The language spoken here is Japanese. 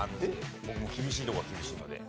僕も厳しいとこは厳しいので。